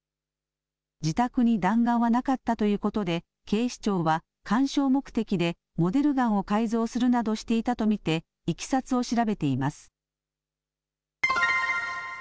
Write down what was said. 自宅に弾丸はなかったということで警視庁は鑑賞目的でモデルガンを改造するなどしていたと見ていきさつを調べています。